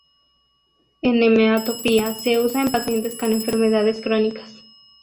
En homeopatía se usa en pacientes con enfermedades crónicas.